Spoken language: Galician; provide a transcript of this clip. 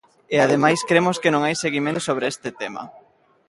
E ademais cremos que non hai seguimento sobre este tema.